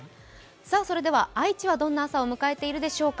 それでは、愛知はどんなあさをむかえているでしょうか。